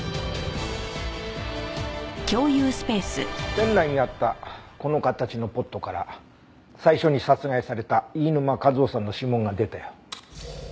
店内にあったこの形のポットから最初に殺害された飯沼和郎さんの指紋が出たよ。